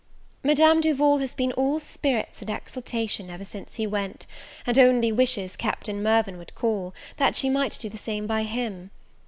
Madame Duval has been all spirits and exultation ever since he went, and only wishes Captain Mirvan would call, that she might do the same by him.